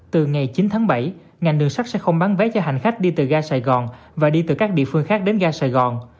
từ ngày chín tháng bảy ngành đường sắt sẽ không bán vé cho hành khách đi từ ga sài gòn và đi từ các địa phương khác đến ga sài gòn